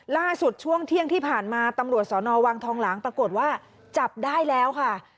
ล่าสุดช่วงเที่ยงที่ผ่านมาตำรวจสนวังทองหลางปรากฏว่าจับได้แล้วค่ะ